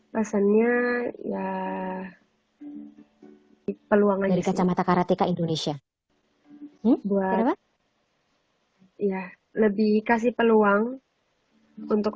pesannya ya peluang dari kacamata karateka indonesia buat ya lebih kasih peluang untuk